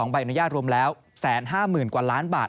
ใบอนุญาตรวมแล้ว๑๕๐๐๐กว่าล้านบาท